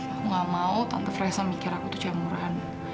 aku gak mau tante fresa mikir aku tuh cemuran